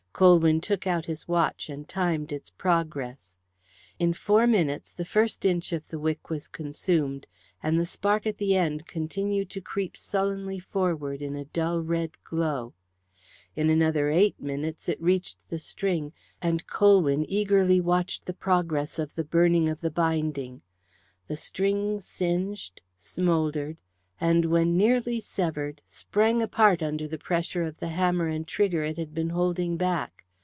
Colwyn took out his watch and timed its progress. In four minutes the first inch of the wick was consumed, and the spark at the end continued to creep sullenly forward in a dull red glow. In another eight minutes it reached the string, and Colwyn eagerly watched the process of the burning of the binding. The string singed, smouldered, and when nearly severed, sprang apart under the pressure of the hammer and trigger it had been holding back.